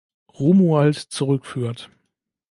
Romuald zurückführt.